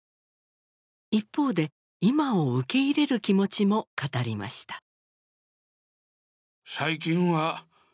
一方で今を受け入れる気持ちも語りました。